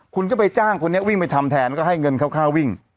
คุณก็ไปจ้างคนนี้วิ่งไปทำแทนก็ให้เงินคร่าววิ่ง